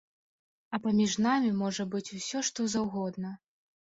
А паміж намі можа быць усё што заўгодна.